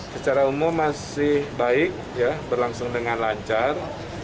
secara umum masih baik berlangsung dengan lancar